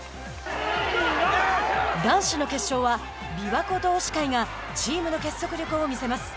男子の決勝はＢＩＷＡＫＯ同志会がチームの結束力を見せます。